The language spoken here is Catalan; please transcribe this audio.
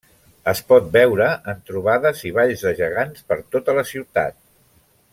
Es pot veure en trobades i balls de gegants per tota la ciutat.